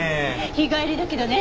日帰りだけどね。